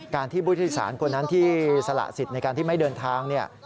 ที่ผู้โดยสารคนนั้นที่สละสิทธิ์ในการที่ไม่เดินทาง